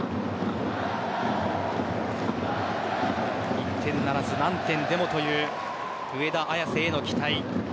１点ならず何点でもという上田綺世への期待。